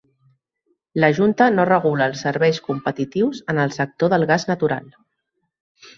La Junta no regula els serveis competitius en el sector del gas natural.